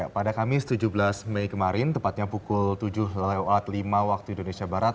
pada kamis tujuh belas mei kemarin tepatnya pukul tujuh lima waktu indonesia barat